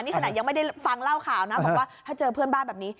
นี่ขนาดยังไม่ได้ฟังเล่าข่าวนะบอกว่าถ้าเจอเพื่อนบ้านแบบนี้